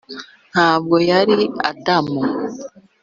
nta bwo yari adamu.